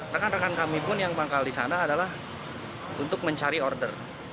rekan rekan kami pun yang manggal di sana adalah untuk mencari order